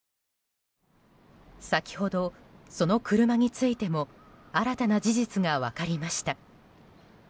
先ほど、その車についても新たな事実が分かりました。